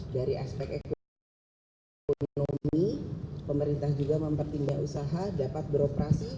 dari aspek ekonomi pemerintah juga mempertimbang usaha dapat beroperasi